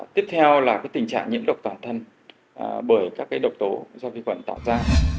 tiếp theo là tình trạng nhiễm độc toàn thân bởi các độc tố do vi khuẩn tạo ra